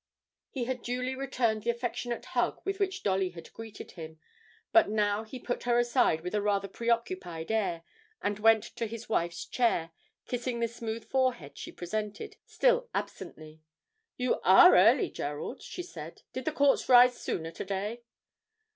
He had duly returned the affectionate hug with which Dolly had greeted him, but now he put her aside with a rather preoccupied air, and went to his wife's chair, kissing the smooth forehead she presented, still absently. 'You are early, Gerald,' she said; 'did the courts rise sooner to day?'